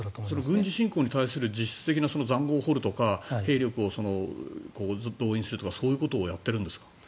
軍事侵攻に対する具体的な塹壕を掘るとか兵力をずっと応援するとかそういうことをするんですか。